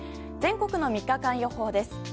全国の３日間予報です。